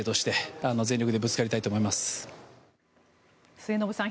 末延さん